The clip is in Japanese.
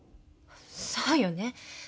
そうよね。